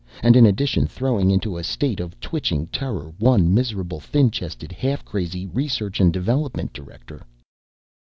and in addition throwing into a state of twitching terror one miserable, thin chested, half crazy research and development director.